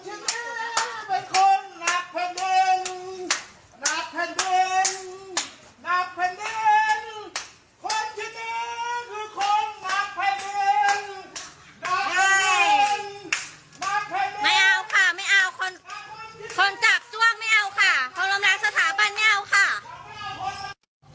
คนจับจ้วงไม่เอาค่ะคนลำนักสถาบันไม่เอาค่ะ